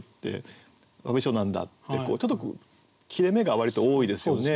「詫び状なんだ」ってちょっと切れ目が割と多いですよね。